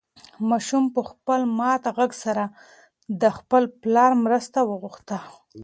ماشوم په خپل مات غږ سره د خپل پلار مرسته وغوښته.